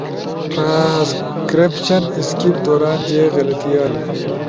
ٹرانسکرائپش اسکیپ دوران جے غلطی آلی